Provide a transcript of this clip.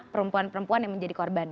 perempuan perempuan yang menjadi korban